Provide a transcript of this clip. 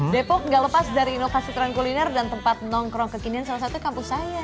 depok gak lepas dari inovasi tren kuliner dan tempat nongkrong kekinian salah satu kampus saya